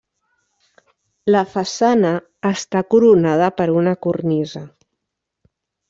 La façana està coronada per una cornisa.